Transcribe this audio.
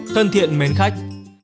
thân thiện mến khách